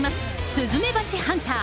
スズメバチハンター。